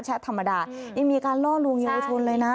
ธรรมดายังมีการล่อลวงเยาวชนเลยนะ